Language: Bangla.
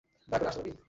দয়া করে আসতে পারবি?